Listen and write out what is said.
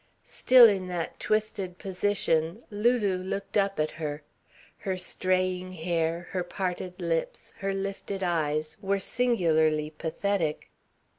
Still in that twisted position, Lulu looked up at her. Her straying hair, her parted lips, her lifted eyes were singularly pathetic.